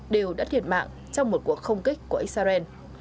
đều đã thiệt mạng trong một cuộc không kích của israel